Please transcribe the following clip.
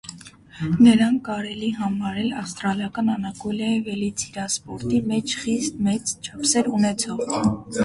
Նրան կարելի համարել ավստրալական անալոգիայի վելիցիրապտորի մեջ խիստ մեծ չափսեր ունեցող։